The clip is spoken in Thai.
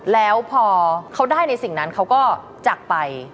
แล้วพอเขาได้ในสิ่งนั้นเขาก็จักรไป